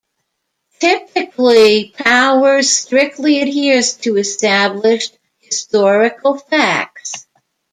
Typically, Powers strictly adheres to established historical facts.